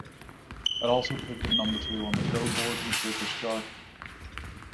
It also peaked at number two on the "Billboard Heatseekers" chart.